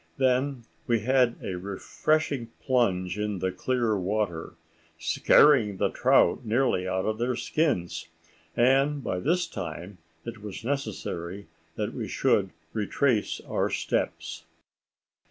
Then we had a refreshing plunge in the clear water, scaring the trout nearly out of their skins, and by this time it was necessary that we should retrace our steps.